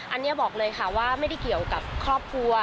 อันนี้บอกเลยค่ะว่าไม่ได้เกี่ยวกับครอบครัว